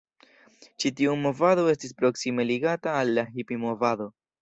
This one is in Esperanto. Ĉi tiu movado estis proksime ligata al la Hipi-movado.